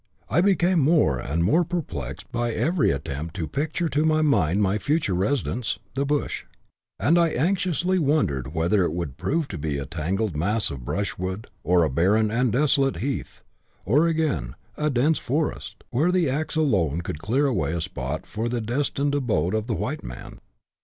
I became more and more perplexed by every attempt to picture to my mind my future residence, " the Bush ;" and I anxiously wondered whether it would prove to be a tangled mass of brushwood, or a barren and desolate heath, or, again, a dense forest, where the axe alone could clear away a spot for the destined abode of the white man.